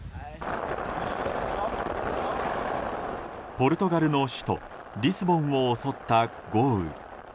ポルトガルの首都リスボンを襲った豪雨。